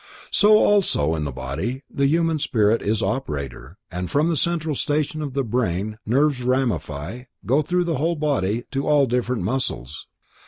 So also in the body, the human spirit is operator, and from the central station of the brain, nerves ramify, go through the whole body to all the different muscles.